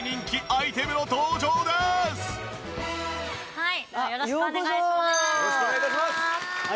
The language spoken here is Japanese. はい。